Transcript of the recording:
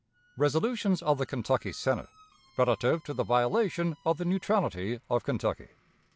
_Resolutions of the Kentucky Senate relative to the Violation of the Neutrality of Kentucky.